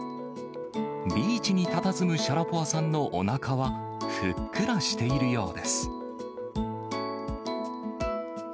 ビーチにたたずむシャラポワさんのおなかは、ふっくらしているようです。